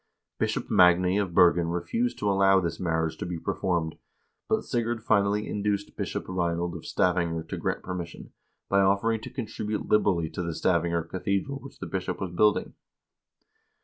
Bishop Magne of Bergen refused to allow this marriage to be performed, but Sigurd finally induced Bishop Reinald of Stavanger to grant permission, by offering to contribute liberally to the Stavanger cathedral which the bishop was building.